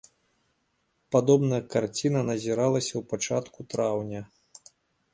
Падобная карціна назіралася ў пачатку траўня.